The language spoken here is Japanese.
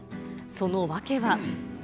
その訳は。